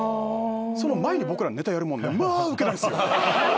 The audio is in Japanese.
その前に僕らネタやるもんでまあウケないっすよ。